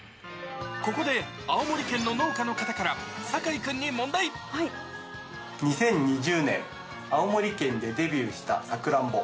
ここで、青森県の農家の方から、２０２０年、青森県でデビューしたさくらんぼ。